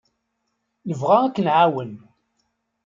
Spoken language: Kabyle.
Nebɣa ad k-nɛawen.